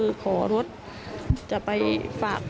นายพิรายุนั่งอยู่ติดกันแบบนี้นะคะ